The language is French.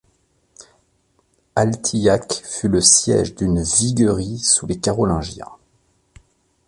Altillac fut le siège d'une viguerie sous les Carolingiens.